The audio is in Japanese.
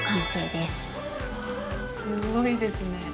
わすごいですね。